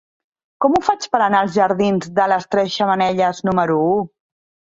Com ho faig per anar als jardins de les Tres Xemeneies número u?